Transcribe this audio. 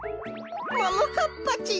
ももかっぱちん！